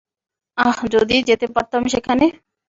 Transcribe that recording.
আহ, যদি যেতে পারতাম সেখানে!